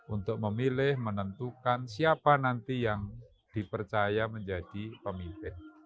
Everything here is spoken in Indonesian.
untuk memilih menentukan siapa nanti yang dipercaya menjadi pemimpin